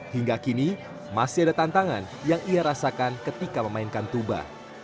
hingga kini masih ada tantangan yang ia rasakan ketika memainkan tuba